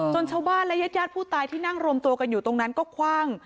ชาวบ้านและญาติญาติผู้ตายที่นั่งรวมตัวกันอยู่ตรงนั้นก็คว่าง